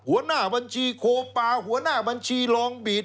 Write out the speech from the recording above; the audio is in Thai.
หัวหน้าบัญชีโคปาหัวหน้าบัญชีลองบีด